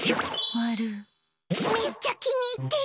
めっちゃ気に入ってる！